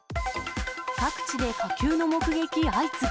各地で火球の目撃相次ぐ。